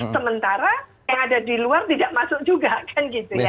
sementara yang ada di luar tidak masuk juga kan gitu ya